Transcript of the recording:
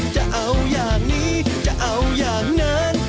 จะเอาอย่างนี้จะเอาอย่างนั้น